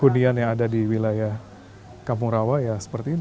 hunian yang ada di wilayah kampung rawa ya seperti ini